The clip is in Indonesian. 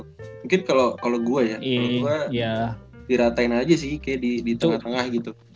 mungkin kalo gue ya kalo gue diratain aja sih kayak di tengah tengah gitu